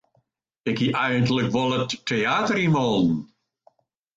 Ik hie eigentlik wol it teäter yn wollen.